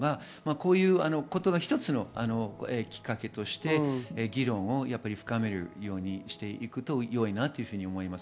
こういうことが１つのきっかけとして議論を深めるようにしていくとよいと思います。